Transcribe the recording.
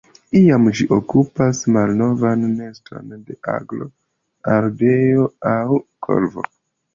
Iam ĝi okupas malnovan neston de aglo, ardeo aŭ korvo.